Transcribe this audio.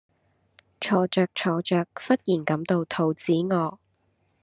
坐著坐著忽然感到肚子餓